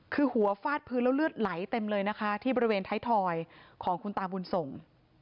คือหัวฟาดพื้นแล้วเลือดไหลเต็มเลยนะคะที่บริเวณไทยทอยของคุณตาบุญส่ง